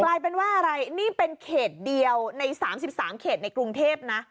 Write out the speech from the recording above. กลายเป็นว่าอะไรนี่เป็นเขตเดียวใน๓๓เขตในกรุงเทพนะ